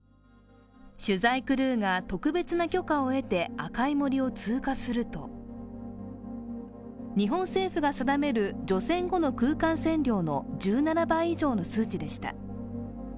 取材クルーが特別な許可を得て赤い森を通過すると、日本政府が定める、除染後の空間線量の１７倍以上の数値でした。